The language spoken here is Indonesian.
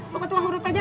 lo ke tuang urut aja